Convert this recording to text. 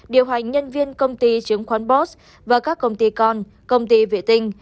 điều hành nhân viên công ty chứng khoán bos và các công ty con công ty vệ tinh